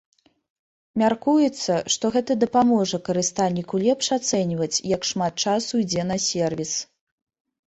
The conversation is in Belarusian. Мяркуецца, што гэта дапаможа карыстальніку лепш ацэньваць, як шмат часу ідзе на сервіс.